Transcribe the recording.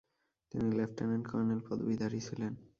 তিনি লেফট্যানেন্ট-কর্নেল পদবীধারী ছিলেন।